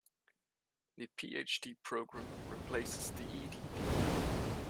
The Ph.D. program replaces the Ed.D.